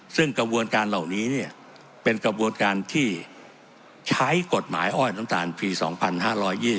ซึ่งกระบวนการเหล่านี้เนี่ยเป็นกระบวนการที่ใช้กฎหมายอ้อยน้ำตาลปี๒๕๒๐